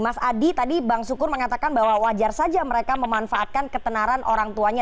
mas adi tadi bang sukur mengatakan bahwa wajar saja mereka memanfaatkan ketenaran orang tuanya